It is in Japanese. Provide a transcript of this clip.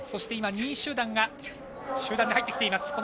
２位集団が集団で入ってきています。